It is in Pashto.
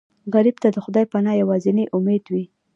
غریب ته د خدای پناه یوازینی امید وي